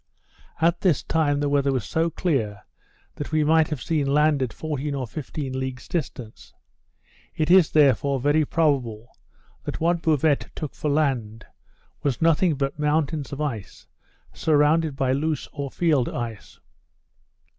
At this time the weather was so clear, that we might have seen land at fourteen or fifteen leagues distance. It is, therefore very probable, that what Bouvet took for land, was nothing but mountains of ice, surrounded by loose or field ice.